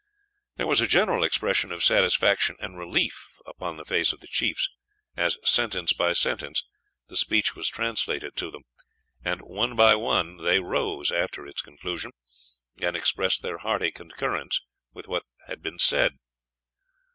There was a general expression of satisfaction and relief upon the face of the chiefs, as, sentence by sentence, the speech was translated to them; and, one by one, they rose after its conclusion, and expressed their hearty concurrence with what had been said.